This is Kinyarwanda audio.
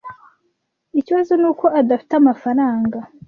Ikibazo nuko adafite amafaranga.